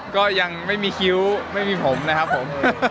ก็ยังไม่มีคิ้วไม่มีผมนะครับผม